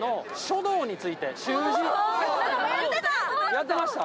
やってました？